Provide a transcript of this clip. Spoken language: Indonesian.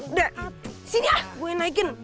udah sini lah gua yang naikin